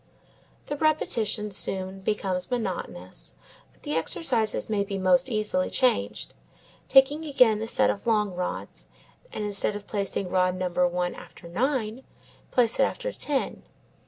The repetition soon becomes monotonous, but the exercises may be most easily changed, taking again the set of long rods, and instead of placing rod number one after nine, place it after ten.